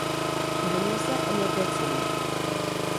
Oženil se a měl pět synů.